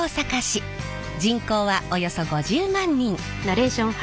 人口はおよそ５０万人。